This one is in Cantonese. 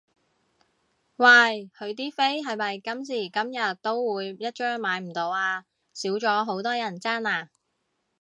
喂佢啲飛係咪今時今日都會一張買唔到啊？少咗好多人爭啦？